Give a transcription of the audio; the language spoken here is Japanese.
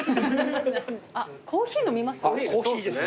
あっコーヒー飲みます？